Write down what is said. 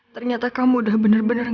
baik kita akan berjalan